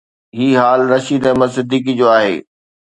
هي حال رشيد احمد صديقي جو آهي.